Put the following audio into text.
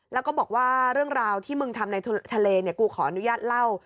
แล้วก็บอกว่าเรื่องราวที่มึงทำในทะเลเนี่ยกูขออนุญาตเล่า